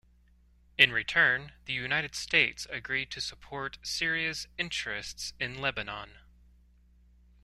In return, the United States agreed to support Syria's interests in Lebanon.